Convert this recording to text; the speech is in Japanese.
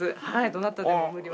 どなたでも無料で。